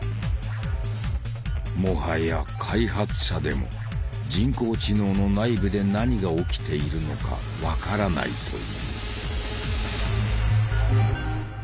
もはや開発者でも人工知能の内部で何が起きているのか分からないという。